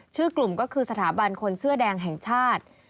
ชื่อกลุ่มก็คือสถาบันคนเสื้อแดงแห่งชาติ